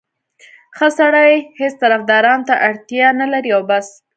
ښه سړی هېڅ طفدارانو ته اړتیا نه لري او بس.